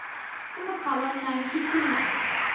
কোন খাবার নাই, কিছুই নাই।